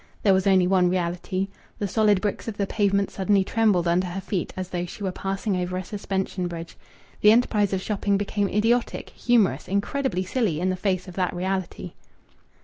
There was only one reality. The solid bricks of the pavement suddenly trembled under her feet as though she were passing over a suspension bridge. The enterprise of shopping became idiotic, humorous, incredibly silly in the face of that reality.